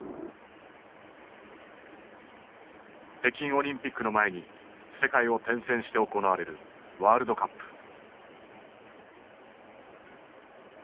北京オリンピックの前に世界を転戦して行われるワールドカップ。